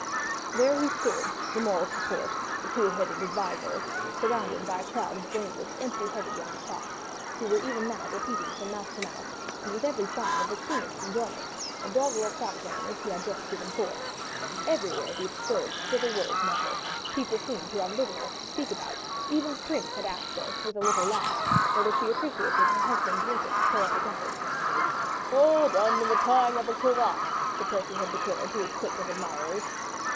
There he stood, the moral support, the cool headed adviser, surrounded by a crowd of brainless, empty headed young fops, who were even now repeating from mouth to mouth, and with every sign of the keenest enjoyment, a doggerel quatrain which he had just given forth. Everywhere the absurd, silly words met her: people seemed to have little else to speak about, even the Prince had asked her, with a laugh, whether she appreciated her husband's latest poetic efforts. "All done in the tying of a cravat," Sir Percy had declared to his clique of admirers.